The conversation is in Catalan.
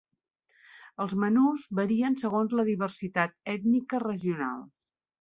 Els menús varien segons la diversitat ètnica regional.